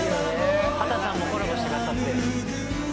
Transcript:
秦さんもコラボしてくださって。